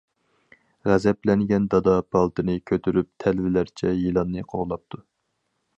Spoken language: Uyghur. غەزەپلەنگەن دادا پالتىنى كۆتۈرۈپ تەلۋىلەرچە يىلاننى قوغلاپتۇ.